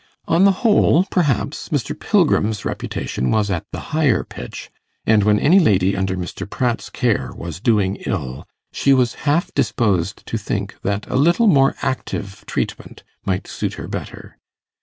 On the whole, perhaps, Mr. Pilgrim's reputation was at the higher pitch, and when any lady under Mr. Pratt's care was doing ill, she was half disposed to think that a little more 'active treatment' might suit her better.